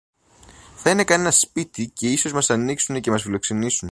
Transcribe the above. Θα είναι κανένα σπίτι, και ίσως μας ανοίξουν και μας φιλοξενήσουν.